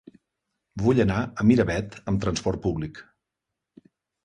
Vull anar a Miravet amb trasport públic.